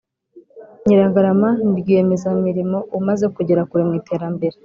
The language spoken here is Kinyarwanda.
Nyirangarama nirwiyemeza mirimo umaze kugera kure mwiterambere